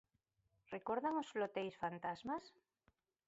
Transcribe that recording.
¿Recordan os floteis fantasmas?